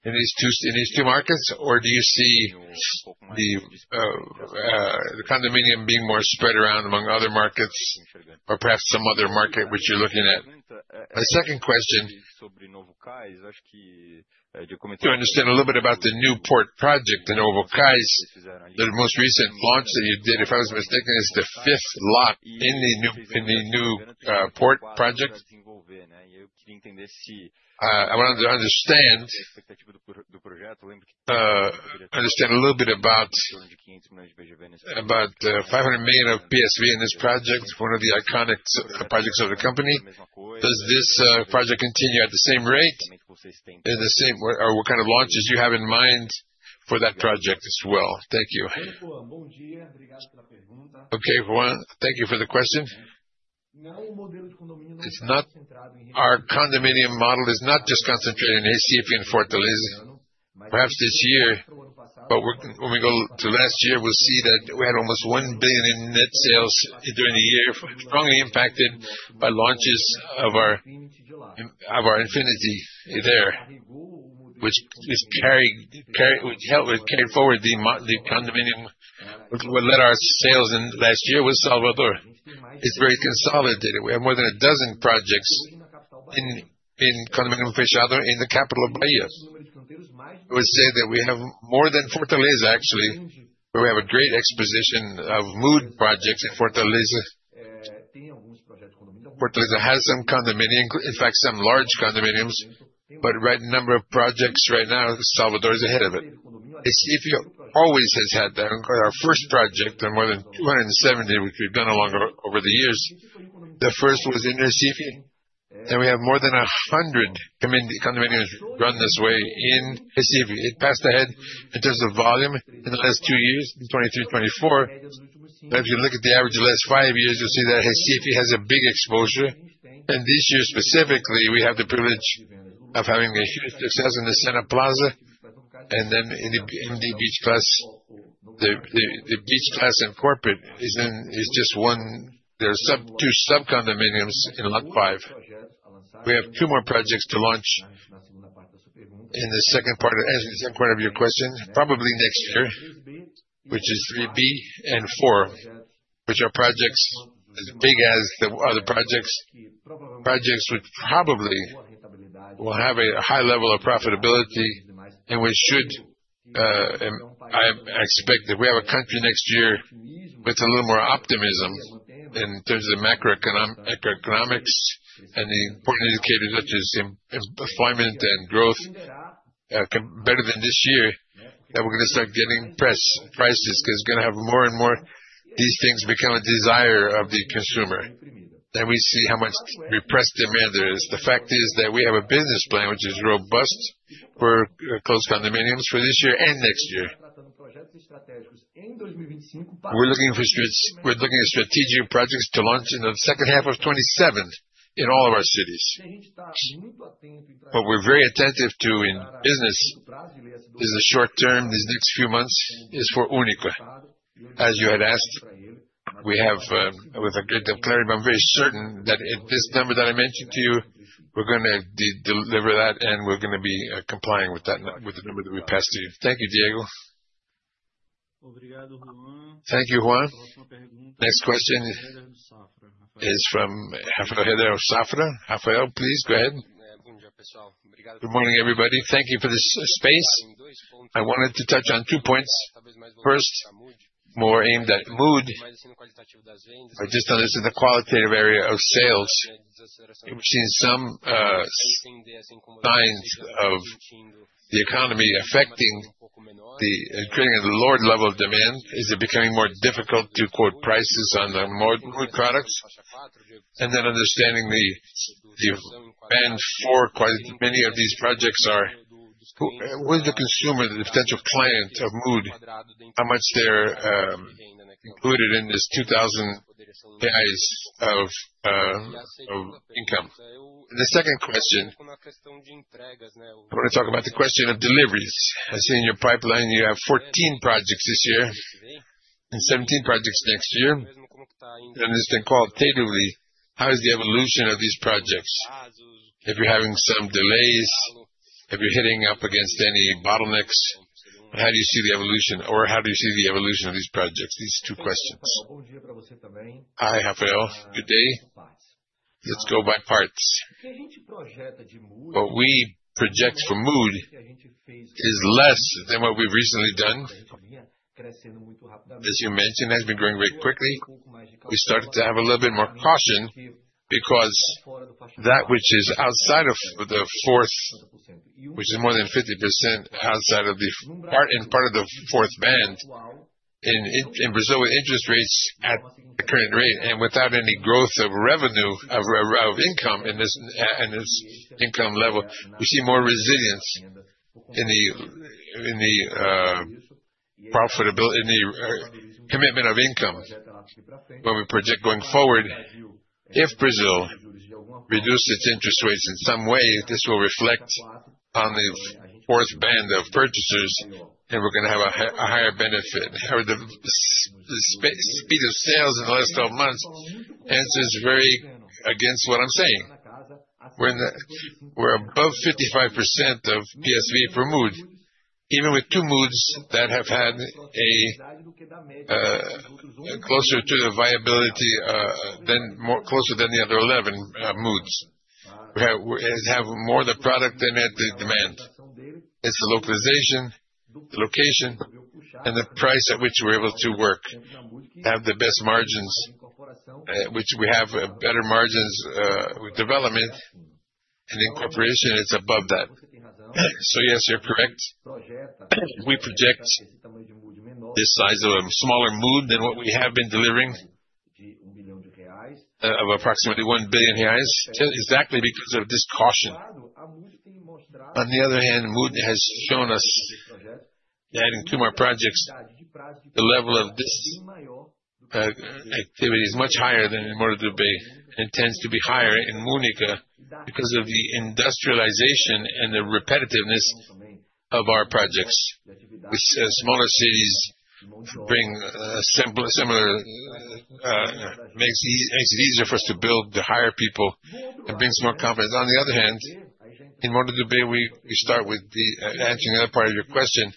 Speaker 8: in these two markets? Do you see the condominium being more spread around among other markets or perhaps some other market which you're looking at? A second question. To understand a little bit about the new port project in Novo Cais, the most recent launch that you did, if I was mistaken, is the fifth lot in the new port project. I wanted to understand a little bit about BRL 500 million of PSV in this project, one of the iconic projects of the company. Does this project continue at the same rate? Is the same or what kind of launches do you have in mind for that project as well? Thank you.
Speaker 2: Okay, Ygor Altero, thank you for the question. It's not. Our condominium model is not just concentrated in Recife and Fortaleza. Perhaps this year, but when we go to last year, we'll see that we had almost BRL 1 billion in net sales during the year, strongly impacted by launches of our Infinity there, which carried forward the momentum of the condominium. What led our sales last year was Salvador. It's very consolidated. We have more than a dozen projects in condomínio fechado in the capital of Bahia. I would say that we have more than Fortaleza, actually. We have a great exposure of Mood projects in Fortaleza. Fortaleza has some condominiums, in fact, some large condominiums, but the number of projects right now, Salvador is ahead of it. Recife always has had that. Our first project on more than 270, which we've done along over the years, the first was in Recife, and we have more than 100 condominiums done this way in Recife. It passed ahead in terms of volume in the last 2 years, in 2023, 2024. If you look at the average of the last 5 years, you'll see that Recife has a big exposure. This year specifically, we have the privilege of having a huge success in the Cena Plaza, and then in the Novo Beach Pass. The Novo Beach Pass and Moura Dubeux Corporate is just one. There are two sub-condominiums in lot 5. We have two more projects to launch in the second part, answering the second part of your question, probably next year, which is Q3 and Q4, which are projects as big as the other projects. Projects which probably will have a high level of profitability, and we should, I expect that we have a country next year with a little more optimism in terms of macroeconomics and the important indicators such as employment and growth, better than this year, that we're gonna start getting pre-sales prices, 'cause we're gonna have more and more these things become a desire of the consumer. Then we see how much repressed demand there is. The fact is that we have a business plan which is robust for closed condominiums for this year and next year. We're looking at strategic projects to launch in the second half of 2027 in all of our cities. What we're very attentive to in business is the short term, these next few months is for Única. As you had asked, we have with a great clarity, but I'm very certain that if this number that I mentioned to you, we're gonna deliver that, and we're gonna be complying with the number that we passed to you. Thank you, Diego. Thank you, Ygor Altero. Next question is from Rafael Rehder. Rafael, please go ahead.
Speaker 9: Good morning, everybody. Thank you for this space. I wanted to touch on two points. First, more aimed at Mood. I just noticed the qualitative area of sales. We've seen some signs of the economy affecting creating a lower level of demand. Is it becoming more difficult to quote prices on the Mood products? Then understanding the band for many of these projects are with the consumer, the potential client of Mood, how much they're included in this 2,000 of income. The second question, I wanna talk about the question of deliveries. I've seen in your pipeline you have 14 projects this year and 17 projects next year. Just then qualitatively, how is the evolution of these projects? If you're having some delays, if you're hitting up against any bottlenecks, how do you see the evolution or how do you see the evolution of these projects? These two questions. Hi, Rafael. Good day. Let's go by parts. What we project for Mood is less than what we've recently done. As you mentioned, that's been growing very quickly. We started to have a little bit more caution because that which is outside of the fourth, which is more than 50% outside of the part, in part of the fourth band in Brazil with interest rates at the current rate and without any growth of revenue, of income in this income level. We see more resilience in the profitability in the commitment of income. We project going forward, if Brazil reduce its interest rates in some way, this will reflect on the fourth band of purchasers, and we're gonna have a higher benefit. The speed of sales in the last 12 months has been very against what I'm saying. We're above 55% of PSV for Mood, even with two Moods that have had a closer to the viability than the other 11 Moods. We have more product than the demand. It's the localization, the location, and the price at which we're able to work have the best margins, which we have better margins with development and incorporation is above that.
Speaker 2: Yes, you're correct. We project this size of a smaller Mood than what we have been delivering, of approximately 1 billion reais exactly because of this caution. On the other hand, Mood has shown us, adding two more projects, the level of this activity is much higher than in Moura Dubeux and tends to be higher in Única because of the industrialization and the repetitiveness of our projects, which smaller cities bring, simply similar, makes it easier for us to build, to hire people and bring more confidence. On the other hand, in Moura Debuex, we start with answering the other part of your question.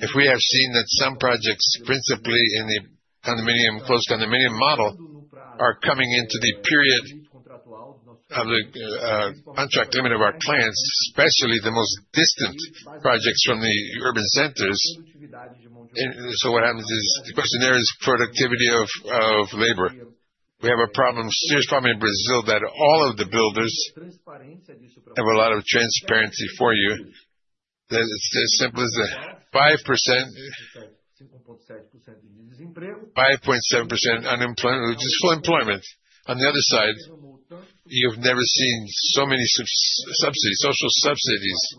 Speaker 2: If we have seen that some projects, principally in the closed condominium model, are coming into the period of the contract limit of our clients, especially the most distant projects from the urban centers. What happens is the question there is productivity of labor. We have a problem, serious problem in Brazil that all of the builders have a lot of transparency for you. That it's as simple as that. 5%, 5.7% unemployment, which is full employment. On the other side, you've never seen so many subsidies, social subsidies.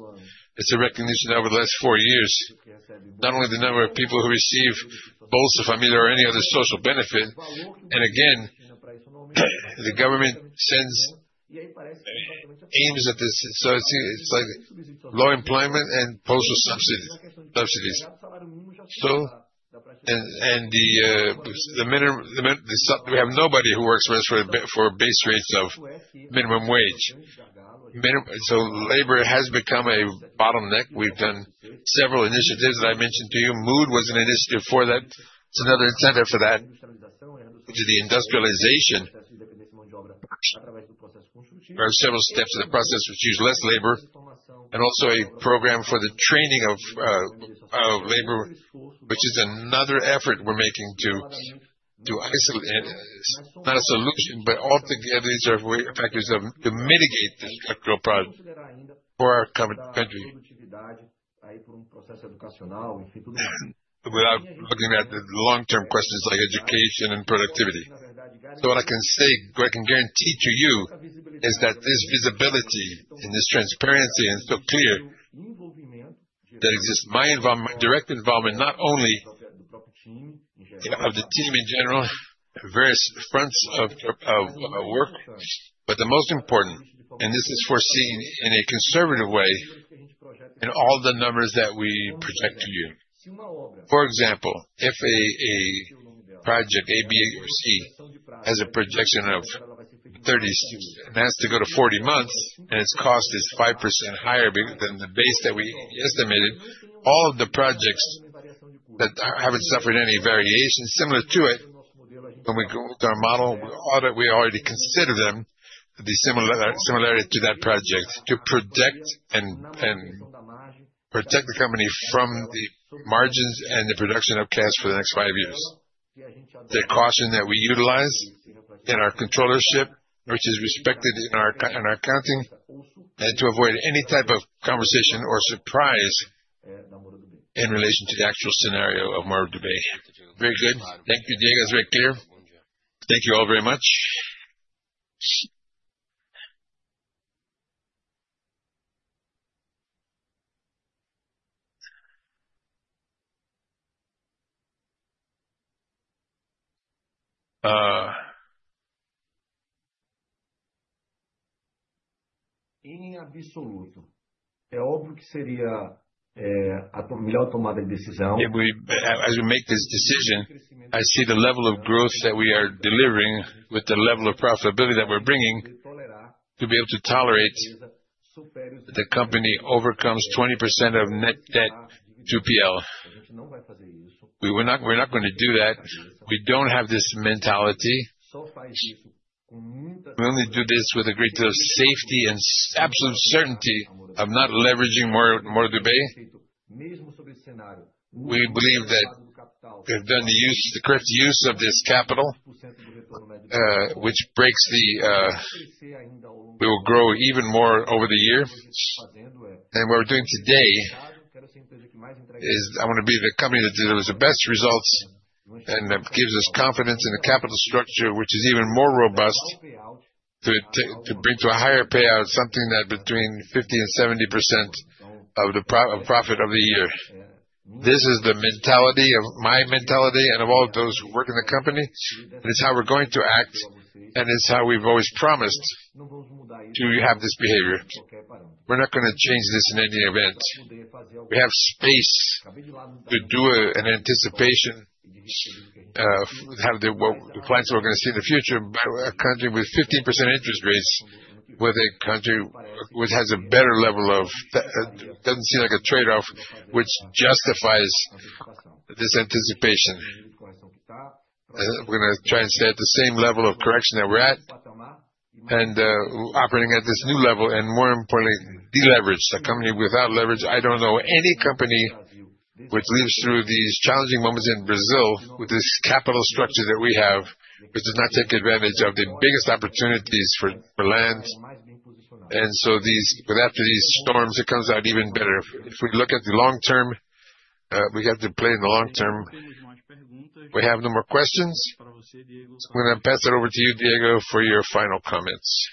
Speaker 2: It's a recognition over the last four years. Not only the number of people who receive Bolsa Família or any other social benefit, and again, the government aims at this. It seems it's like low employment and social subsidies. The minimum, we have nobody who works for us for base rates of minimum wage. Labor has become a bottleneck. We've done several initiatives, as I mentioned to you. Mood was an initiative for that. It's another sector for that, which is the industrialization. There are several steps in the process which use less labor, and also a program for the training of labor, which is another effort we're making. It's not a solution, but altogether, these are key factors to mitigate this structural problem for our country. Without looking at the long-term questions like education and productivity. What I can say, what I can guarantee to you is that this visibility and this transparency, and it's so clear that it is my involvement, direct involvement, not only of the team in general, various fronts of work, but the most important, and this is foreseen in a conservative way in all the numbers that we project to you. For example, if a project A, B, or C has a projection of 30-something and has to go to 40 months, and its cost is 5% higher than the base that we estimated, all of the projects that haven't suffered any variation similar to it, when we go with our model, we already consider them the similarity to that project to protect the company from the margins and the production of cash for the next five years. The caution that we utilize in our controllership, which is respected in our accounting, and to avoid any type of conversation or surprise in relation to the actual scenario of Moura Dubeux. Very good.
Speaker 9: Thank you, Diego. It's very clear.
Speaker 2: Thank you all very much. As we make this decision, I see the level of growth that we are delivering with the level of profitability that we're bringing to be able to tolerate the company over 20% net debt to PL. We're not gonna do that. We don't have this mentality. We only do this with a great deal of safety and absolute certainty of not leveraging Moura Dubeux. We believe that we've done the correct use of this capital. We will grow even more over the year. What we're doing today is I wanna be the company that delivers the best results and gives us confidence in the capital structure, which is even more robust to bring to a higher payout, something between 50% and 70% of the profit of the year. This is the mentality of my mentality and of all those who work in the company, and it's how we're going to act, and it's how we've always promised to have this behavior. We're not gonna change this in any event. We have space to do an anticipation of what clients are gonna see in the future, but a country with 15% interest rates, with a country which has a better level of that doesn't seem like a trade-off which justifies this anticipation. We're gonna try and stay at the same level of correction that we're at and operating at this new level, and more importantly, deleverage the company without leverage. I don't know any company which lives through these challenging moments in Brazil with this capital structure that we have, which does not take advantage of the biggest opportunities for land. After these storms, it comes out even better. If we look at the long term, we have to play in the long term. We have no more questions. I'm gonna pass it over to you, Diego, for your final comments.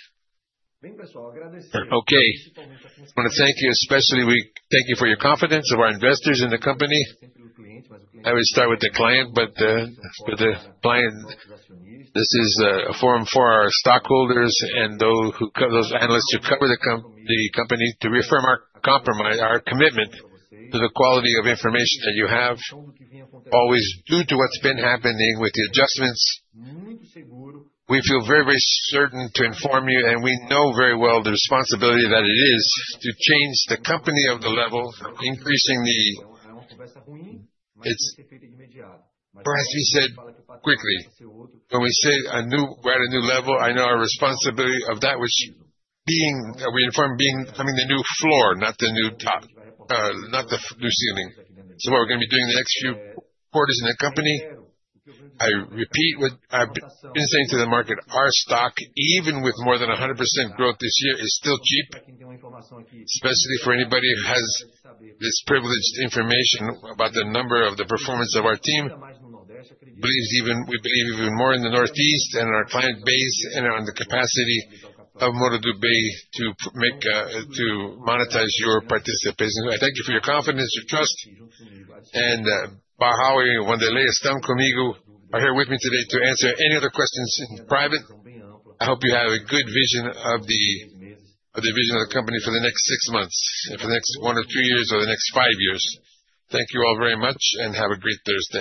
Speaker 2: Okay. I wanna thank you especially. We thank you for your confidence of our investors in the company. I always start with the client, but with the client, this is a forum for our stockholders and those analysts who cover the company to reaffirm our compromise, our commitment to the quality of information that you have always due to what's been happening with the adjustments. We feel very certain to inform you, and we know very well the responsibility that it is to change the company of the level, increasing the. It's perhaps you said quickly. When we say we're at a new level, I know our responsibility of that which being we informed being having the new floor, not the new top, not the new ceiling. What we're gonna be doing in the next few quarters in the company, I repeat what I've been saying to the market, our stock, even with more than 100% growth this year, is still cheap, especially for anybody who has this privileged information about the number of the performance of our team, we believe even more in the Northeast and our client base and on the capacity of Moura Dubeux to make to monetize your participation. I thank you for your confidence, your trust, and Barroso e Vanderlei estão comigo are here with me today to answer any other questions in private. I hope you have a good vision of the vision of the company for the next 6 months, and for the next 1 to 2 years or the next 5 years. Thank you all very much, and have a great Thursday.